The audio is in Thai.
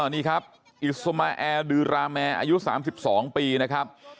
นี่ครับอิสมาแอร์ดือราแมร์อายุ๓๒ปีนะครับ